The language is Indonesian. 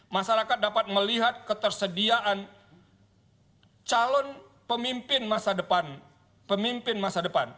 masyarakat dapat melihat ketersediaan calon pemimpin masa depan